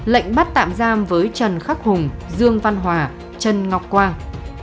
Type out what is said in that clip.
lệnh bắt tạm giam với trần khắc hùng dương văn hòa trần ngọc quang